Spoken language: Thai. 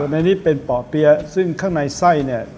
ส่วนอันนี้เป็นป๋อเปียร์ซึ่งข้างในไส้เนี่ย